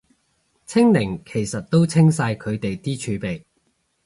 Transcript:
清零其實都清晒佢哋啲儲備